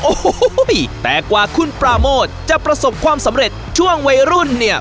โอ้โหแต่กว่าคุณปราโมทจะประสบความสำเร็จช่วงวัยรุ่นเนี่ย